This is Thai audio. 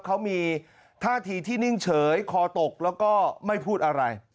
เขามีท่าทีที่นิ่งเฉยคอตกแล้วก็ไม่พูดอะไร